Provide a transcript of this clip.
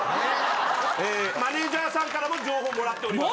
えマネジャーさんからも情報もらっております。